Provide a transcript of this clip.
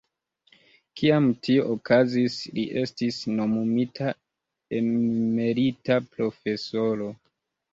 Kiam tio okazis, li estis nomumita emerita profesoro.